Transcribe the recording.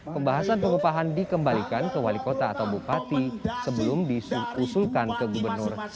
pembahasan pengupahan dikembalikan ke wali kota atau bupati sebelum diusulkan ke gubernur